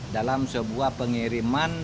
dalam sebuah pengiriman